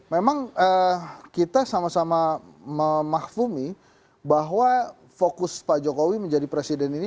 memang kita sama sama memakfumi bahwa fokus pak jokowi menjadi presiden ini